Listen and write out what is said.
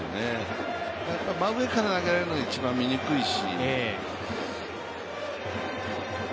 真上から投げられるのは一番見にくいし。